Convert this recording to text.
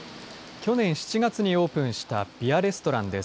去年７月にオープンしたビアレストランです。